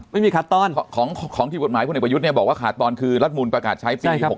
ไม่มีขัดตอนของที่กฎหมายพลเอกประยุทธ์เนี่ยบอกว่าขาดตอนคือรัฐมูลประกาศใช้ปี๖๖